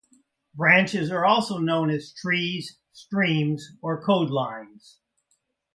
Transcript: Branches are also known as "trees", "streams" or "codelines".